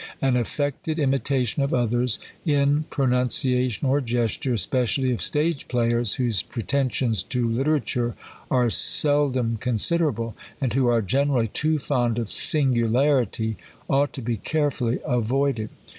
An affected imitation of others, in pronunciation or gesture, especially of stage players, whose pretensions to litera ture are seldom considerable, and who are generally too fond of singularity, ought to be carefully avoided.